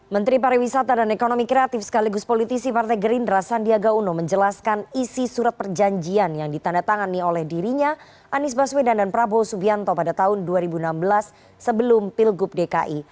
menteri pariwisata dan ekonomi kreatif sekaligus politisi partai gerindra sandiaga uno menjelaskan isi surat perjanjian yang ditandatangani oleh dirinya anies baswedan dan prabowo subianto pada tahun dua ribu enam belas sebelum pilgub dki